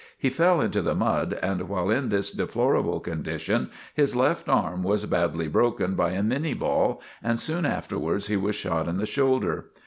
He fell into the mud and while in this deplorable condition, his left arm was badly broken by a minnie ball and soon afterwards he was shot in the shoulder.